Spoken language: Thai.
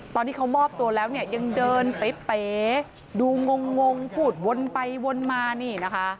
ตอนที่เขามอบตัวแล้วเนี่ยยังเดินเป๋ดูงงพูดวนไปวนมานี่นะคะ